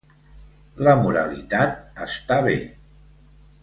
La moralitat està bé.